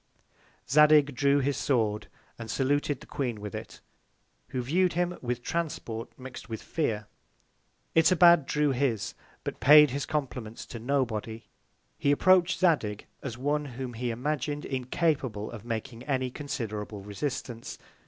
Zadig drew his Sword, and saluted the Queen with it, who view'd him with Transport mix'd with Fear. Itobad drew his, but paid his Compliments to Nobody. He approach'd Zadig, as one, whom he imagin'd incapable of making any considerable Resistance.